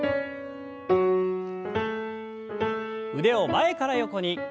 腕を前から横に。